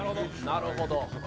なるほど。